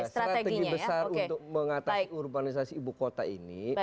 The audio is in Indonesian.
strategi besar untuk mengatasi urbanisasi ibu kota ini